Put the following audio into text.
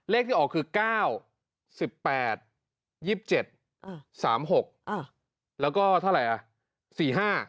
เลขที่ออกคือ๙๑๘๒๗๓๖แล้วก็เท่าไหร่อ่ะ